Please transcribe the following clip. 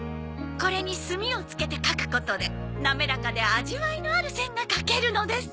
これに墨をつけて描くことでなめらかで味わいのある線が描けるのです。